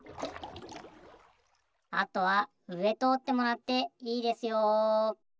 あとはうえとおってもらっていいですよ。